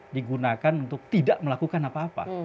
digunakan untuk tidak melakukan apa apa